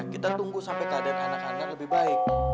kita tunggu sampai keadaan anak anak lebih baik